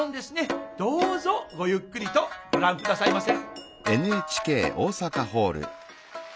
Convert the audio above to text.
どうぞごゆっくりとご覧下さいませ。